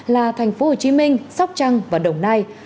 là thành phố hồ chí minh sóc trăng và đồng nai